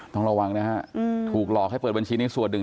ต้องระวังนะฮะถูกหลอกให้เปิดบัญชีนี้ส่วนหนึ่ง